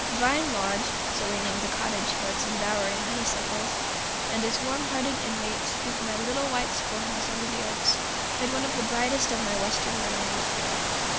"Vine Lodge" (so we named the cottage for its embowering honey suckles), and its warm hearted inmates, with my little white schoolhouse under the oaks, make one of the brightest of my Western memories.